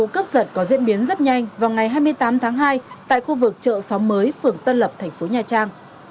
cấp giật có diễn biến rất nhanh vào ngày hai mươi tám tháng hai tại khu vực chợ xóm mới phường tân lập thành phố nha trang